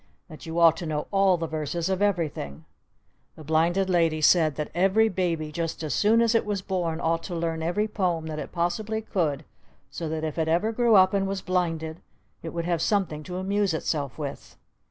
That you ought to know all the verses of everything! The Blinded Lady said that every baby just as soon as it was born ought to learn every poem that it possibly could so that if it ever grew up and was blinded it would have something to amuse itself with!